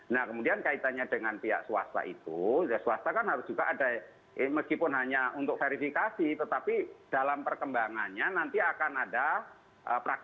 nah kemudian kaitannya dengan pihak swasta itu ya swasta kan harus juga ada meskipun hanya untuk verifikasi tetapi dalam perkembangannya nanti akan ada praktik